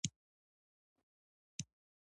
ته یې ژر جوړ کړه.